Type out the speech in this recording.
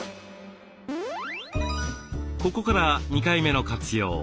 ここから２回目の活用。